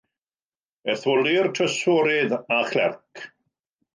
Etholir Trysorydd a Chlerc.